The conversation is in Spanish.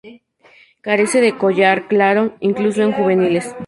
Carece de collar claro, incluso en juveniles.